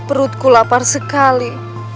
aku tak bisa menangis lagi